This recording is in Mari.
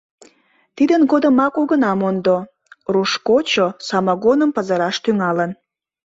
Тидын годымак огына мондо: «руш кочо» самогоным пызыраш тӱҥалын.